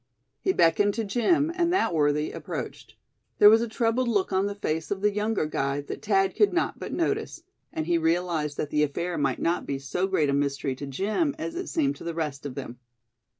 He beckoned to Jim, and that worthy approached. There was a troubled look on the face of the younger guide that Thad could not but notice; and he realized that the affair might not be so great a mystery to Jim as it seemed to the rest of them.